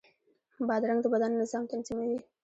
بادرنګ د بدن نظام تنظیموي.